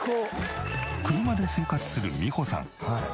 車で生活するみほさん。